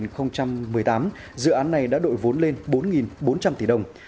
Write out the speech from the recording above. cũng lên bốn bốn trăm linh tỷ đồng